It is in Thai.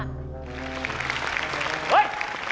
เฮ้ย